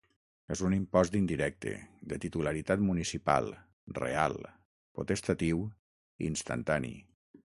És un impost indirecte, de titularitat municipal, real, potestatiu i instantani.